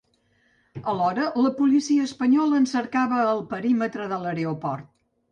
Alhora la policia espanyola en cercava al perímetre de l’aeroport.